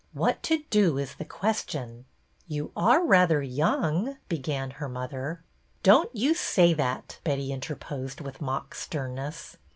What to do is the question." '' You are rather young —" began her mother. " Don't you say that," Betty interposed, with mock sternness.